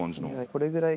これぐらい。